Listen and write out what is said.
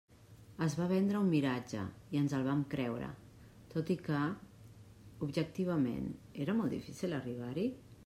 Es va vendre un miratge i ens el vàrem creure, tot i que, objectivament, era molt difícil arribar-hi?